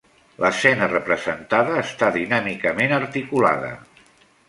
L'escena representada està dinàmicament articulada.